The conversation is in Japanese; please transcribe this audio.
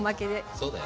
そうだよね。